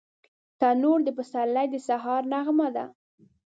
تنور د پسرلي د سهار نغمه ده